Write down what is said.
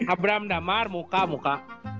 abraham damar muka muka